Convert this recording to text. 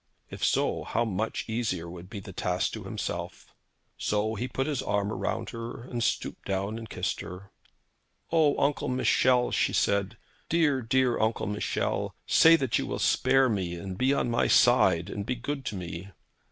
If so, how much easier would the task be to himself! So he put his arm round her, and stooped down and kissed her. 'O, Uncle Michel,' she said; 'dear, dear Uncle Michel; say that you will spare me, and be on my side, and be good to me.'